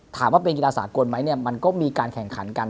ถามว่าเป็นกีฬาสากลไหมเนี่ยมันก็มีการแข่งขันกัน